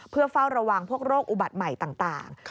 เพื่อเฝ้าระวังพวกโรคอุบัติใหม่ต่าง